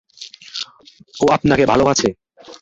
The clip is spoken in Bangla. ও আপনাকে ভালোবাসে।